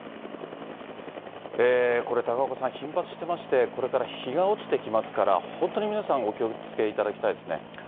これ、高岡さん、頻発してまして、これから日が落ちてきますから、本当に皆さん、お気をつけいただきたいですね。